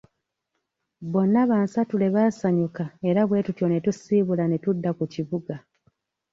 Bonna bonsatule baasanyuka era bwe tutyo ne tusiibula ne tudda ku kibuga.